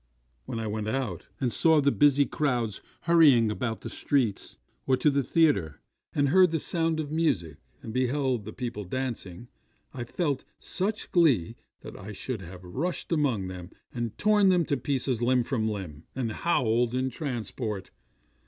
When I went out, and saw the busy crowds hurrying about the streets; or to the theatre, and heard the sound of music, and beheld the people dancing, I felt such glee, that I could have rushed among them, and torn them to pieces limb from limb, and howled in transport.